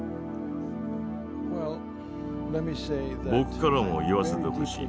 僕からも言わせてほしい。